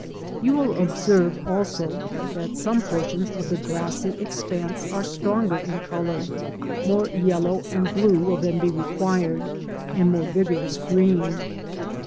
You will observe also that some portions of the grassy expanse are stronger in colour; more yellow and blue will then be required, and more vigorous green.